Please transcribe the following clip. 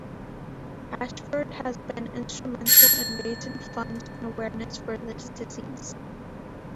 Ashford has been instrumental in raising funds and awareness for this disease.